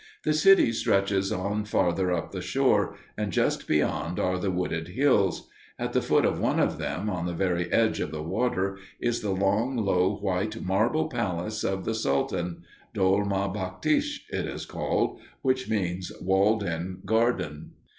The city stretches on farther up the shore, and just beyond are the wooded hills. At the foot of one of them, on the very edge of the water, is the long low white marble palace of the sultan Dolmah Bagtché it is called, which means "walled in garden."